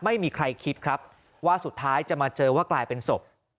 ไม่มีใครคิดครับว่าสุดท้ายจะมาเจอว่ากลายเป็นศพ